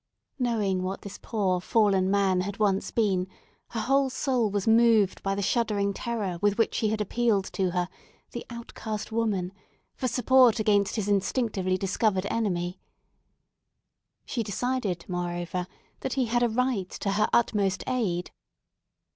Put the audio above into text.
Knowing what this poor fallen man had once been, her whole soul was moved by the shuddering terror with which he had appealed to her—the outcast woman—for support against his instinctively discovered enemy. She decided, moreover, that he had a right to her utmost aid.